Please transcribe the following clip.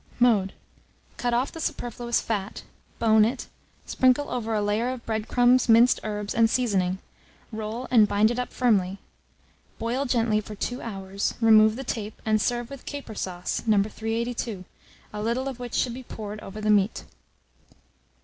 Mode. Cut off the superfluous fat; bone it; sprinkle over a layer of bread crumbs, minced herbs, and seasoning; roll, and bind it up firmly. Boil gently for 2 hours, remove the tape, and serve with caper sauce, No. 382, a little of which should be poured over the meat.